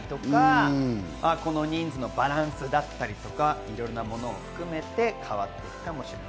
合宿での成長度だったり、この人数のバランスだったり、いろんなものを含めて変わっていくかもしれない。